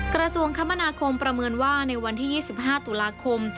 กระทรวงคมนาคมประเมินว่าในวันที่๒๕ตุลาคม